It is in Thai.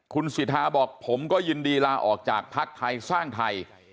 คุณสิทธาบอกผมก็ยินดีลาออกจากภักดิ์ไทยสร้างไทย